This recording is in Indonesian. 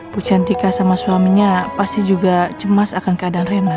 bu chantika sama suaminya pasti juga cemas akan keadaan rena